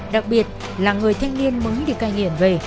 đặc biệt là người thanh niên mới được canh nghiền về